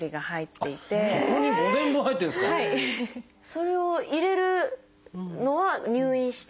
それを入れるのは入院して？